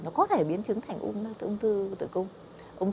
nó có thể biến trứng thành u nớt tự công